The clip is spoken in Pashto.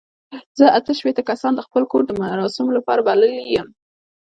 زه اته شپېته کسان د خپل کور د مراسمو لپاره بللي یم.